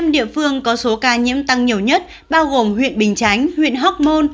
năm địa phương có số ca nhiễm tăng nhiều nhất bao gồm huyện bình chánh huyện hóc môn